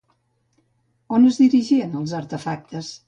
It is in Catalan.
On es dirigien els artefactes?